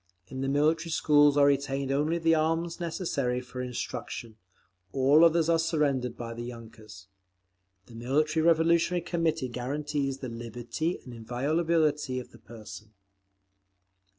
In the Military Schools are retained only the arms necessary for instruction; all others are surrendered by the yunkers. The Military Revolutionary Committee guarantees the liberty and inviolability of the person.